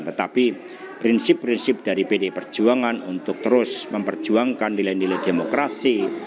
tetapi prinsip prinsip dari pdi perjuangan untuk terus memperjuangkan nilai nilai demokrasi